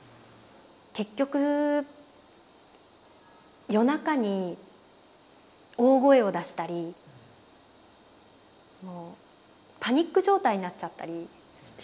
結局夜中に大声を出したりパニック状態になっちゃったりした時期があったんですよ。